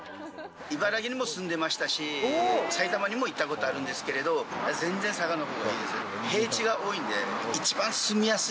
茨城にも住んでましたし、埼玉にも行ったことあるんですけど、全然佐賀のほうがいいです。